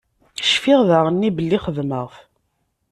Cfiɣ daɣen belli xedmeɣ-t.